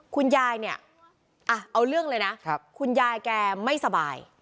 คุณยายเนี่ยเอาเรื่องเลยนะคุณยายแกไม่สบาย